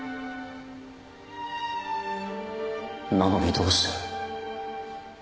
なのにどうして。